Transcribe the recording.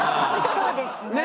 そうですねえ。